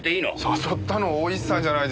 誘ったのは大石さんじゃないですか。